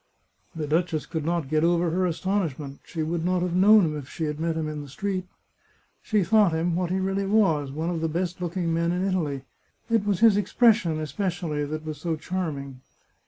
The duchess could not get over her astonishment; she would not have known him if she had met him in the street. She thought him, what he really was, one of the best look ing men in Italy. It was his expression, especially, that was so charming.